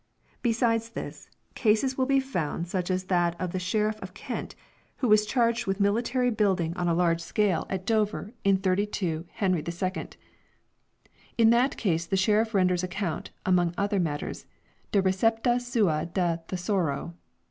Besides this, cases will be found such as that of the Sheriff of Kent who was charged with military building on a large scale at 272 FINANCIAL RECORDS Dover in 32 Henry II l ; in that case the sheriff renders account, among other matters, " de recepta sua de Thesauro